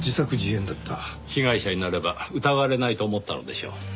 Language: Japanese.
被害者になれば疑われないと思ったのでしょう。